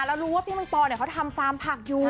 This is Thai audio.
แล้วรู้ว่าพี่มังปอเนี่ยเขาทำฟาร์มผักอยู่